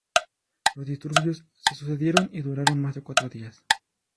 Los disturbios se sucedieron y duraron más de cuatro días.